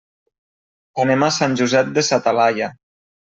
Anem a Sant Josep de sa Talaia.